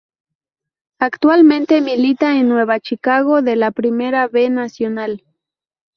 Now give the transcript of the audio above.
Actualmente milita en Nueva Chicago de la Primera B Nacional.